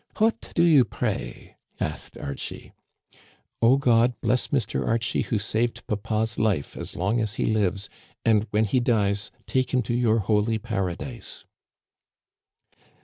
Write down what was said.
What do you pray ?" asked Archie. O God, bless Mr. Archie, who saved papa's life, as long as he lives ; and, when he dies, take him to your holy paradise."